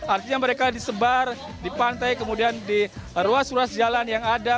artinya mereka disebar di pantai kemudian di ruas ruas jalan yang ada